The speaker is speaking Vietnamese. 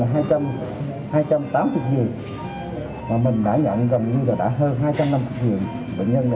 mà mình đã nhận gần như là đã hơn hai trăm năm mươi bệnh nhân rồi